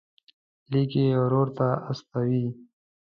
لیک یې ورور ته استوي.